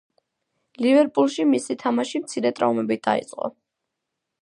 ლივერპულში მისი თამაში მცირე ტრავმებით დაიწყო.